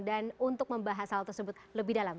dan untuk membahas hal tersebut lebih dalam